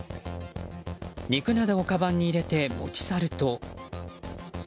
肉などをかばんに入れて持ち去ると。